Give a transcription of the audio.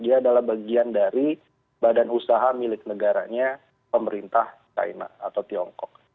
dia adalah bagian dari badan usaha milik negaranya pemerintah china atau tiongkok